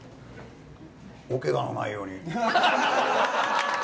おけがのないように。